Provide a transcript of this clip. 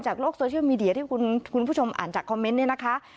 โลกโซเชียลมีเดียที่คุณผู้ชมอ่านจากคอมเมนต์เนี่ยนะคะ